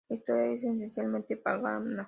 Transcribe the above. La historia es esencialmente pagana.